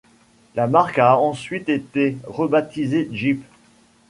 La marque a ensuite été rebaptisée Jeep.